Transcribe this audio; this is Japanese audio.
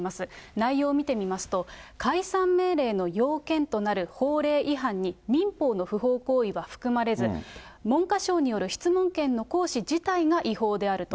内容を見てみますと、解散命令の要件となる法令違反に、民法の不法行為は含まれず、文科省による質問権の行使自体が違法であると。